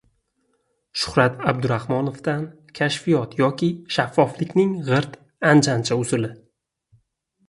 Shuhrat Abdurahmonovdan kashfiyot yoki shaffoflikning «g‘irt anjancha» usuli